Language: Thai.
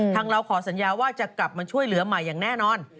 เราขอสัญญาว่าจะกลับมาช่วยเหลือใหม่อย่างแน่นอน